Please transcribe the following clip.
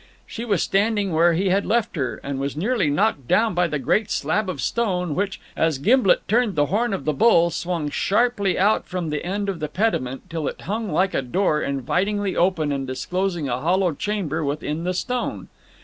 She was standing where he had left her, and was nearly knocked down by the great slab of stone which, as Gimblet turned the horn of the bull, swung sharply out from the end of the pediment, till it hung like a door invitingly open and disclosing a hollow chamber within the stone.